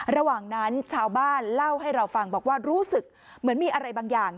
ระหว่างนั้นชาวบ้านเล่าให้เราฟังบอกว่ารู้สึกเหมือนมีอะไรบางอย่าง